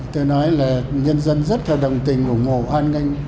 tôi nói là nhân dân rất là đồng tình ủng hộ hoan nghênh